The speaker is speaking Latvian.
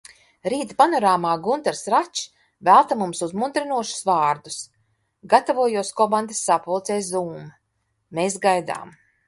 Rīta Panorāmā Guntars Račs velta mums uzmundrinošus vārdus. Gatavojos komandas sapulcei Zūm. Mēs gaidām.